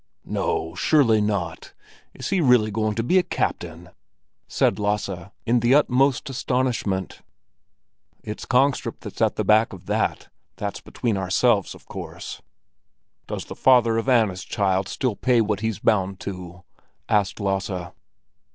"No, surely not! Is he really going to be a captain?" said Lasse, in the utmost astonishment. "It's Kongstrup that's at the back of that—that's between ourselves, of course!" "Does the father of Anna's child still pay what he's bound to?" asked Lasse.